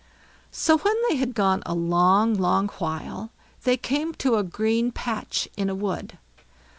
So when they had gone a long, long while, they came to a green patch in a wood.